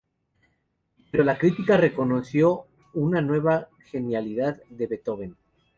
Pero la crítica reconoció una nueva genialidad de Beethoven.